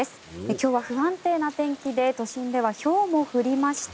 今日は不安定な天気で都心ではひょうも降りました。